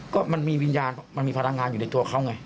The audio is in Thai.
ก็มันมีวิญญาณมันมีพลังงานอยู่ในตัวเขาไง